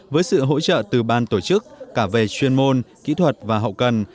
với sự hỗ trợ từ ban tổ chức cả về chuyên môn kỹ thuật và hậu cần